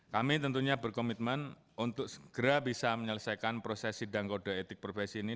kami tentunya berkomitmen untuk segera bisa menyelesaikan proses sidang kode etik profesi ini